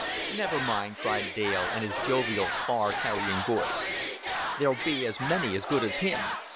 "Never mind," cried Dale, in his jovial, far carrying voice; "there'll be a many as good as him."